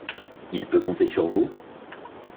Il peut compter sur vous?